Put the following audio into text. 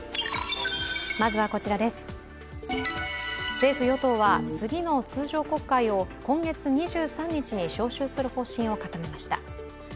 政府・与党は次の通常国会を今月２３日に召集する方針を固めました。